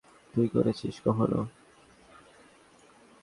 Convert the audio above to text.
তুই করেছিস কখনো?